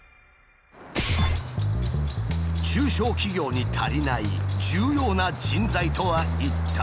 中小企業に足りない重要な人材とは一体？